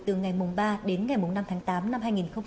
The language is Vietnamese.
từ ngày mùng ba đến ngày mùng năm tháng tám năm hai nghìn một mươi năm